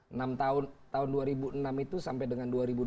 enam tahun tahun dua ribu enam itu sampai dengan